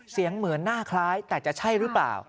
เสียงเหมือนหน้าคล้ายแต่จะใช่หรือเปล่า